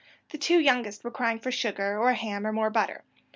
The two youngest were crying for sugar, or ham, or more butter.